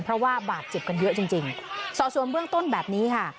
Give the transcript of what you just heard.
เพราะว่าบาดเจ็บกันเยอะจริงจริงสอบส่วนเบื้องต้นแบบนี้ค่ะ